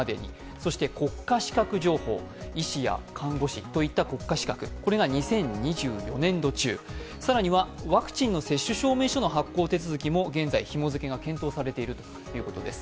そして国家資格情報、医師や看護師といった国家資格、これが２０２４年度中、更にはワクチンの接種証明書の発行手続きも現在ひも付けが検討されているということです。